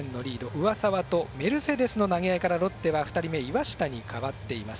上沢とメルセデスの投げ合いからロッテは２人目岩下に代わっています。